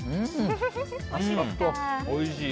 おいしい！